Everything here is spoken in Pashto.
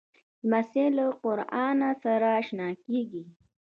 لمسی له قرآنه سره اشنا کېږي.